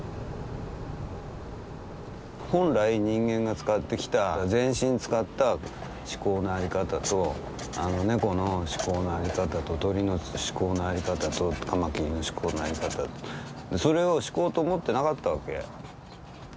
本来人間が使ってきた全身使った思考の在り方と猫の思考の在り方と鳥の思考の在り方とカマキリの思考の在り方それを思考と思ってなかったわけ。